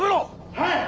はい！